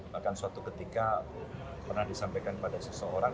bahkan suatu ketika pernah disampaikan pada seseorang